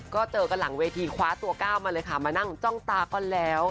ก็เจอกันหลังเวทีคว้าตัวก้าวมาเลยค่ะมานั่งจ้องตาก็แล้ว